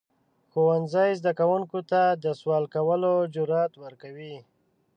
ښوونځی زده کوونکو ته د سوال کولو جرئت ورکوي.